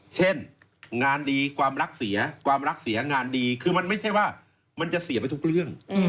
เช่นงานดีความรักเสียความรักเสียงานดีคือมันไม่ใช่ว่ามันจะเสียไปทุกเรื่อง